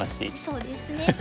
そうですね。